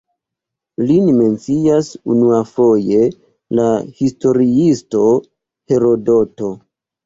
Lin mencias unuafoje la historiisto Herodoto.